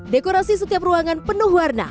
dekorasi setiap ruangan penuh warna